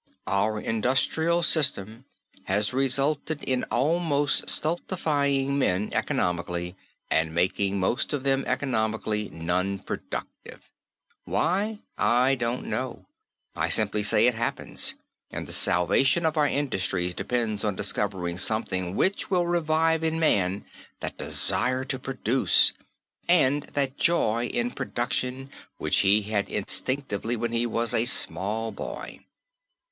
Our industrial system has resulted in almost stultifying men economically and making most of them economically non productive. Why? I don't know. I simply say it happens and the salvation of our industries depends on discovering something which will revive in man that desire to produce and that joy in production which he had instinctively when he was a small boy.